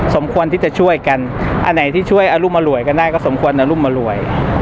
สมควรที่จะช่วยกันอันไหนที่ช่วยอรุมอร่วยกันได้ก็สมควรอรุมอรวย